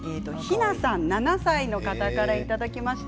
ひなさん７歳の方からいただきました。